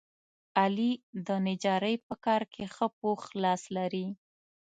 علي د نجارۍ په کار کې ښه پوخ لاس لري.